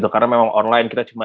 karena memang online kita cuma